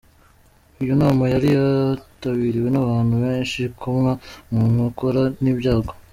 Iyi nama yari yitabiriwe n'abantu benshi ikomwa mu nkokora n'ibyago.